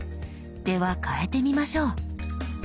では変えてみましょう。